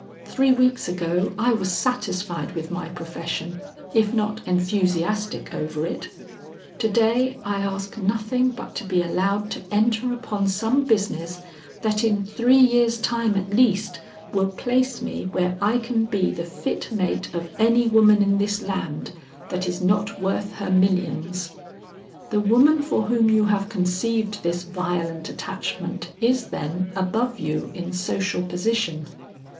Three weeks ago I was satisfied with my profession, if not enthusiastic over it; to day I ask nothing but to be allowed to enter upon some business that in three years' time at least will place me where I can be the fit mate of any woman in this land, that is not worth her millions." "The woman for whom you have conceived this violent attachment is, then, above you in social position?"